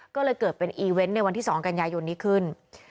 ก็เลยเกิดเป็นอีเวนต์ในวันที่๒กันยายนนี้ขึ้น